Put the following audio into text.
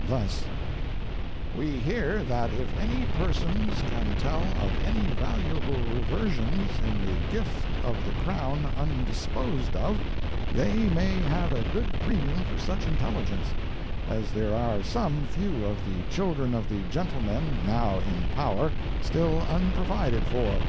Thus: "We hear that if any Persons can tell of any valuable Reversions in the Gift of the Crown undisposed of, they may have a good Premium for such Intelligence; as there are some few of the Children of the Gentlemen now in Power still unprovided for!"